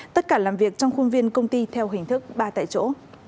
tất cả làm việc trong khuôn viên công ty theo hình thức ba tại chỗ